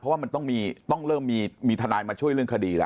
เพราะว่ามันต้องเริ่มมีทนายมาช่วยเรื่องคดีแล้ว